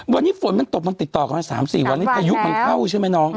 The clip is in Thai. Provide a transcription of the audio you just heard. วันนี้ฝนมันตกมันติดต่อกันมา๓๔วันนี้พายุมันเข้าใช่ไหมน้อง